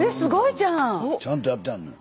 ちゃんとやってはんのよ。